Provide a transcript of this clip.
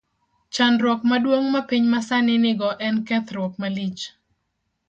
Chandruok maduong ' ma piny masani nigo en kethruok malich.